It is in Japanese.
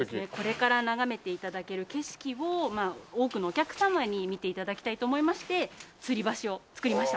これから眺めて頂ける景色を多くのお客様に見て頂きたいと思いましてつり橋を造りました。